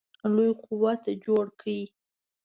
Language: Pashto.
لوی قوت جوړ کړي.